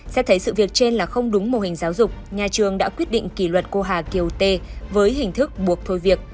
xét thấy sự việc trên là không đúng mô hình giáo dục nhà trường đã quyết định kỷ luật cô hà kiều tê với hình thức buộc thôi việc